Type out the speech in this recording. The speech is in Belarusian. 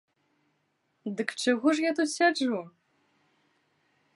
Дык чаго ж я тут сяджу?